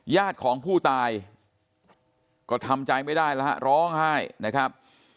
ญาติของผู้ตายก็ทำใจไม่ได้แล้วฮะร้องไห้นะครับ